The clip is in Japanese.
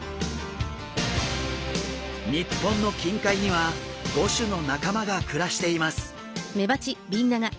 日本の近海には５種の仲間が暮らしています。